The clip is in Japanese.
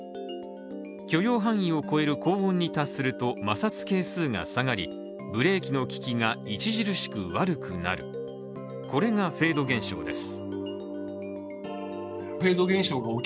許容範囲を超える高温に達すると摩擦係数が下がりブレーキの利きが著しく悪くなる、これがフェード現象です。